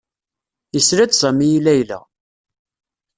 Yesla-d Sami i Layla.